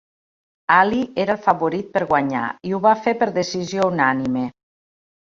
Ali era el favorit per guanyar i ho va fer per decisió unànime.